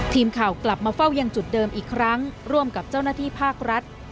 ทีมข่าวกลับมาเฝ้ายังจุดเดิมอีกครั้งร่วมกับเจ้าหน้าที่ภาครัฐ